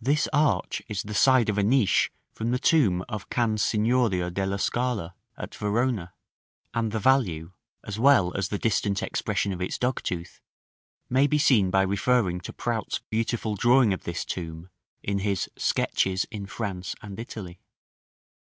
This arch is the side of a niche from the tomb of Can Signorio della Scala, at Verona; and the value, as well as the distant expression of its dogtooth, may be seen by referring to Prout's beautiful drawing of this tomb in his "Sketches in France and Italy."